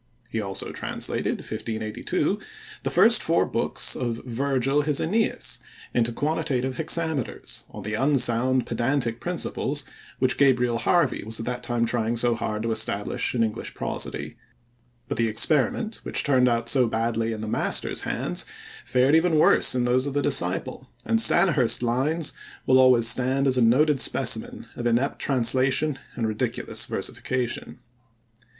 He also translated (1582) the first four books of Virgil his Aeneis into quantitative hexameters, on the unsound pedantic principles which Gabriel Harvey was at that time trying so hard to establish in English prosody; but the experiment, which turned out so badly in the master's hands, fared even worse in those of the disciple, and Stanyhurst's lines will always stand as a noted specimen of inept translation and ridiculous versification.